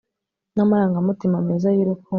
namarangamutima meza yu rukundo